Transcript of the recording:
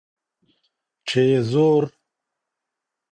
چي یې زور